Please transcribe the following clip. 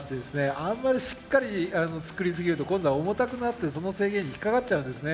あんまりしっかり作り過ぎると今度は重たくなってその制限に引っ掛かっちゃうんですね。